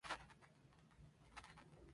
Es decir Ocotlán, el ocote que arde.